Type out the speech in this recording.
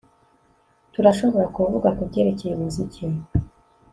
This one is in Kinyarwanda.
Turashobora kuvuga kubyerekeye umuziki